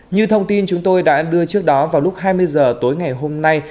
như thông tin chúng tôi đã đưa trước đó vào lúc hai mươi h tối ngày hôm nay